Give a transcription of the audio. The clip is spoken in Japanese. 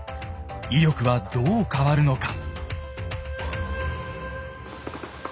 威力はどう変わるのか。